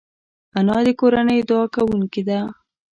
انا د کورنۍ دعا کوونکې ده